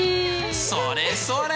それそれ！